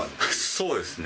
そうですね。